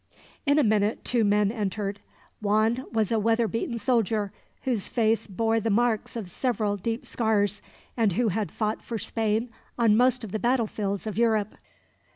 In a minute two men entered. Juan was a weatherbeaten soldier, whose face bore the marks of several deep scars, and who had fought for Spain on most of the battlefields of Europe.